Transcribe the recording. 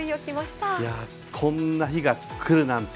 こんな日が来るなんて。